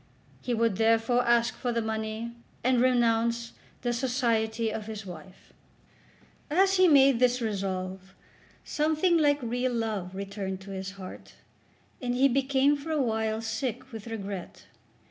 He would, therefore, ask for the money, and renounce the society of his wife. As he made this resolve something like real love returned to his heart, and he became for a while sick with regret.